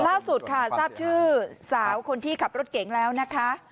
ล่าสุดค่ะทราบชื่อสาวคนที่ขับรถเก๋งแล้วนะคะ